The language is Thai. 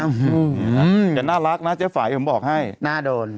อืออืมม่าแม่หน้ารักนะเจ๊ฝัยผมบอกให้น่าโดน